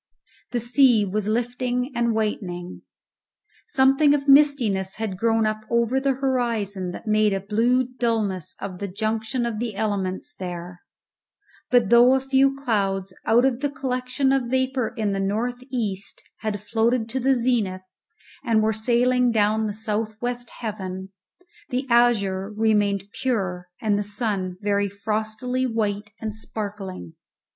The sea was lifting and whitening; something of mistiness had grown up over the horizon that made a blue dulness of the junction of the elements there; but though a few clouds out of the collection of vapour in the north east had floated to the zenith and were sailing down the south west heaven, the azure remained pure and the sun very frostily white and sparkling.